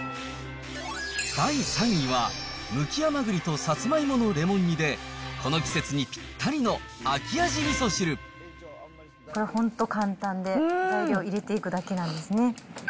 第３位は、むき甘ぐりとサツマイモのレモン煮で、この季節にぴったりの秋味これ、本当簡単で、材料を入れていくだけなんですね。